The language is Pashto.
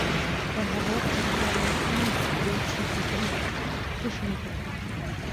پر هغه وخت چې کتاب لوستل دود شي، فکري تشې نه پاتې کېږي.